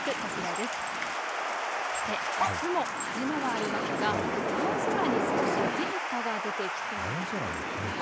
あすも晴れ間はありますが青空に少し変化が出てきそうです。